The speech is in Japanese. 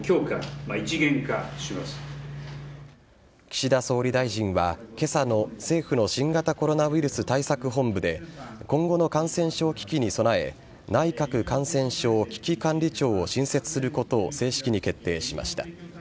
岸田総理大臣は今朝の政府の新型コロナウイルス対策本部で今後の感染症危機に備え内閣感染症危機管理庁を新設することを正式に決定しました。